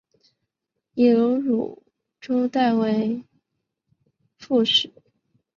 以卢汝弼代为副使。